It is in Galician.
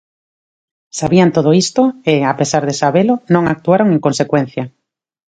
Sabían todo isto, e, a pesar de sabelo, non actuaron en consecuencia.